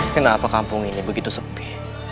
kenapa kampung ini begitu sepi